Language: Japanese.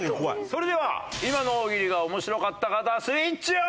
それでは今の大喜利が面白かった方はスイッチオン！